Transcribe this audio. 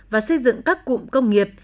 và xây dựng các cụm công nghiệp